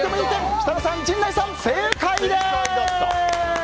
設楽さん、陣内さん、正解です！